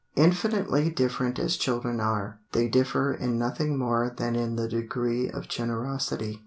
Infinitely different as children are, they differ in nothing more than in the degree of generosity.